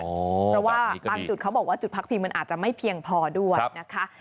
เพราะว่าบางจุดเขาบอกว่าจุดพักพิงมันอาจจะไม่เพียงพอด้วยนะคะ